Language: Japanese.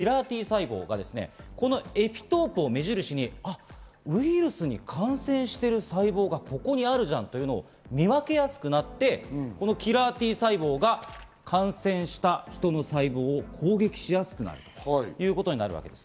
キラーＴ細胞がこのエピトープを目印にウイルスに感染している細胞がここにあるじゃんというのを見分けやすくなってこのキラーＴ細胞が感染した人の細胞を攻撃しやすくなるということになるわけです。